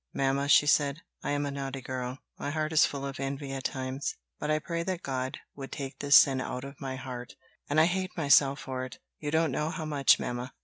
"Mamma," she said, "I am a naughty girl; my heart is full of envy at times; but I pray that God would take this sin out of my heart; and I hate myself for it you don't know how much, mamma."